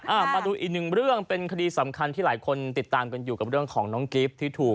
มาดูอีกหนึ่งเรื่องเป็นคดีสำคัญที่หลายคนติดตามกันอยู่กับเรื่องของน้องกิฟต์ที่ถูก